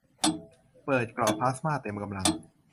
เปิดเกราะพลาสม่าเต็มกำลัง